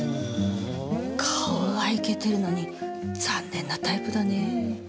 顔はイケてるのに残念なタイプだねぇ。